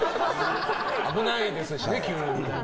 危ないですしね、急に。